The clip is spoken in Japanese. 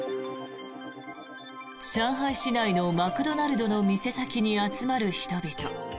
上海市内のマクドナルドの店先に集まる人々。